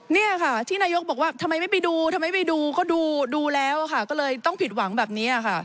เนี่ยค่ะที่นายกบอกว่าทำไมไม่ไปดูทำไมไปดูก็ดูแล้วค่ะก็เลยต้องผิดหวังแบบนี้ค่ะ